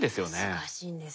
難しいんです。